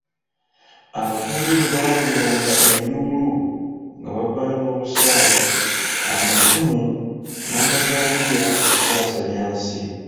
Abatuuze bwe bawuliranga enduulu, nga bavaayo n'obusaale, amafumu n'amajambiya okutaasa Byansi.